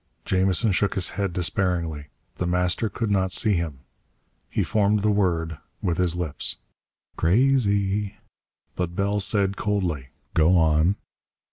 Jamison shook his head despairingly. The Master could not see him. He formed the word with his lips. "Crazy!" But Bell said coldly: "Go on."